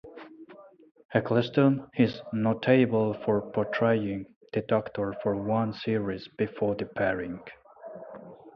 Eccleston is notable for portraying The Doctor for one series before departing.